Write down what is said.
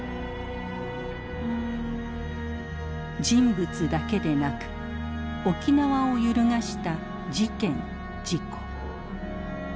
人物だけでなく沖縄を揺るがした事件事故。